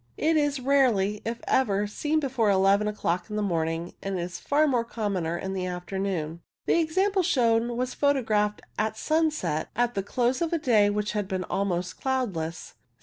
It is rarely, if ever, seen before eleven o'clock in the morning, and is far commoner in the after noon. The example shown was photographed at sunset at the close of a day which had been almost cloudless.